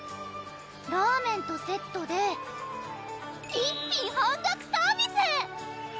「ラーメンとセットで一品半額サービス！」